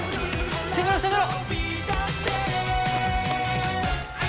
攻めろ攻めろ！